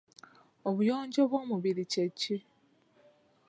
Obuyonjo bw'omubiri kye ki?